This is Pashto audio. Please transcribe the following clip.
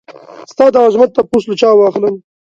ستا دعظمت تپوس له چا واخلم؟